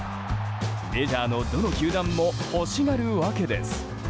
メジャーのどの球団も欲しがるわけです。